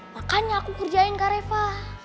makanya aku kerjain kak reva